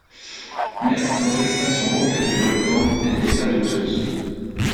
Mais, quant à l’extinction complète du volcan, elle n’était pas douteuse